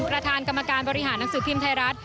ประธานกรรมการบริหารหนังสือพิมพ์ไทยรัฐ